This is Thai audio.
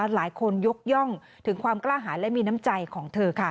ยกย่องถึงความกล้าหาและมีน้ำใจของเธอ